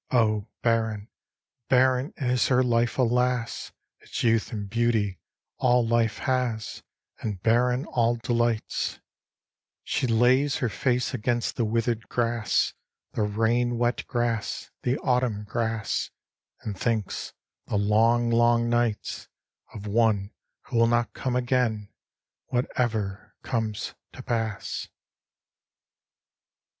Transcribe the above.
Oh, barren, barren is her life, alas! Its youth and beauty, all life has, And barren all delights She lays her face against the withered grass, The rain wet grass, the autumn grass, And thinks, the long, long nights, Of one who will not come again whatever comes to pass.